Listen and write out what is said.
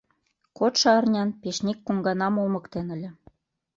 Кодшо арнян печник коҥганам олмыктен ыле.